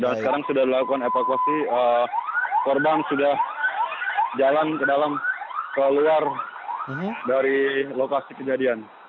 dan sekarang sudah dilakukan evakuasi korban sudah jalan ke dalam keluar dari lokasi kejadian